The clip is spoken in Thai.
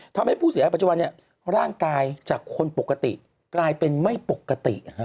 ทำให้ผู้เสียหายปัจจุบันร่างกายจากคนปกติกลายเป็นไม่ปกติ